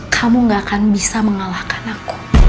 kamu gak akan bisa mengalahkan aku